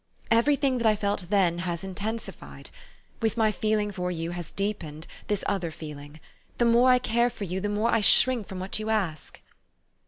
Every thing that I felt then has inten sified. With my feeling for you has deepened this other feeling. The more I care for you, the more I shrink from what you ask."